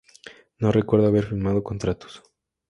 No recuerdo haber firmado contratos.